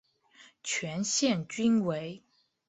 全线均为。